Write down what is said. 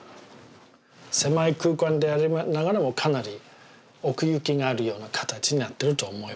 狭い空間でありながらもかなり奥行きがあるような形になってると思います。